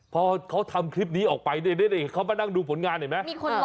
พอเขาทำคลิปนี้ออกไปเนี่ยเขามานั่งดูผลงานเห็นไหม